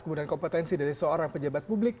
kemudian kompetensi dari seorang pejabat publik